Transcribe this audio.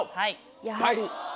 やはり。